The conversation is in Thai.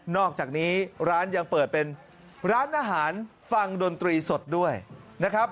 อกจากนี้ร้านยังเปิดเป็นร้านอาหารฟังดนตรีสดด้วยนะครับ